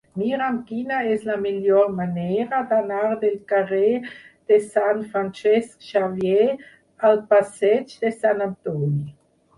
Mira'm quina és la millor manera d'anar del carrer de Sant Francesc Xavier al passeig de Sant Antoni.